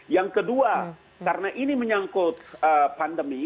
yang kedua karena ini menyangkut pandemi